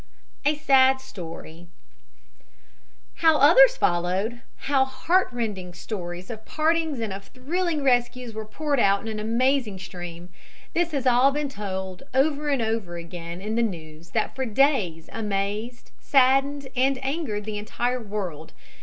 A SAD STORY How others followed how heartrending stories of partings and of thrilling rescues were poured out in an amazing stream this has all been told over and over again in the news that for days amazed, saddened and angered the entire world.